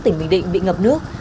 tỉnh bình định bị ngập nước